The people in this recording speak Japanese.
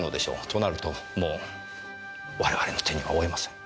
となるともう我々の手には負えません。